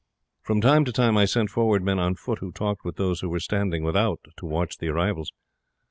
From time to time I sent forward men on foot who talked with those who were standing without to watch the arrivals.